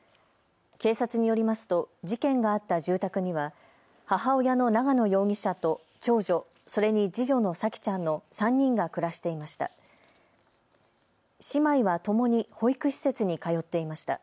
警察によりますと事件があった住宅には母親の長野容疑者と長女、それに次女の沙季ちゃんの３人が暮らしていました。